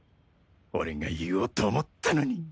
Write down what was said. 俺が言おうと思ったのに